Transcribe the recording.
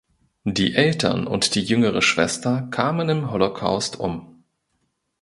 Die Eltern und die jüngere Schwester kamen im Holocaust um.